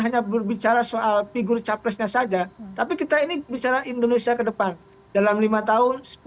hanya berbicara soal figur capresnya saja tapi kita ini bicara indonesia ke depan dalam lima tahun